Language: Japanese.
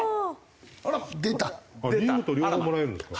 リングと両方もらえるんですか？